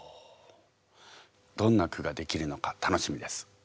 どんな句ができるのか楽しみです。